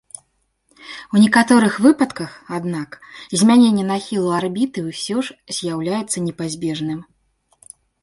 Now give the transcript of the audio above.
У некаторых выпадках, аднак, змяненне нахілу арбіты ўсё ж з'яўляецца непазбежным.